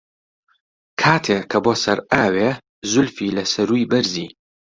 کاتێ کە بۆ سەر ئاوێ، زولفی لە سەرووی بەرزی